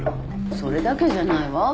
それだけじゃないわ。